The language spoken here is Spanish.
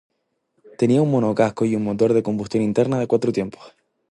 Tenía un monocasco y un Motor de combustión interna de cuatro tiempos.